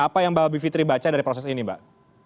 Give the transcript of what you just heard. apa yang mbak bivitri baca dari proses ini mbak